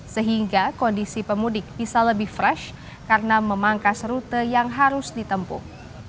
sehingga kondisi pemudik bisa lebih fresh karena memangkas rute yang harus ditempuh